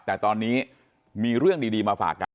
แต่ตอนนี้มีเรื่องดีมาฝากกัน